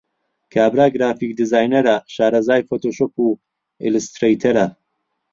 کابرا گرافیک دیزاینەرە، شارەزای فۆتۆشۆپ و ئیلسترەیتەرە.